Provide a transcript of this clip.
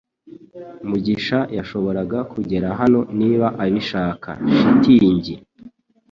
mugisha yashoboraga kugera hano niba abishaka. (shitingi)